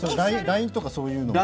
ＬＩＮＥとかそういうのを？